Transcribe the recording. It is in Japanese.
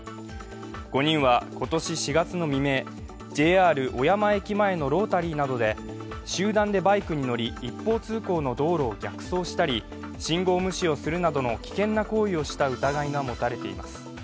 ５人は今年４月の未明、ＪＲ小山駅前のロータリーなどで集団でバイクに乗り一方通行の道路を逆走したり信号無視をするなどの危険な行為をした疑いが持たれています。